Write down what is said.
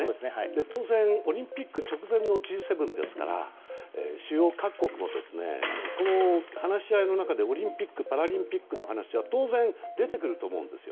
当然オリンピック直前のＧ７なので主要各国の話し合いの中でオリンピック・パラリンピックの話は当然、出てくると思うんですよ。